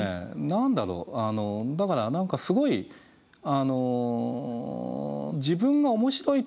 何だろうだから何かすごい自分が面白いと思う